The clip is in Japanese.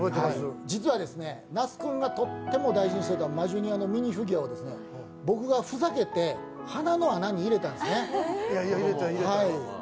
実は那須君がとっても大事にしていたマジュニアのミニフィギュアを僕がふざけて鼻の穴に入れたんですね